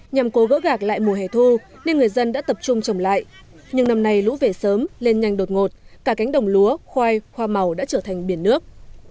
nhằm cố gỡ gạc lại mùa hè thu nên người dân đã tập trung trồng lại nhưng năm nay lũ về sớm lên nhanh đột ngột cả cánh đồng lúa khoai hoa màu đã trở thành biển nước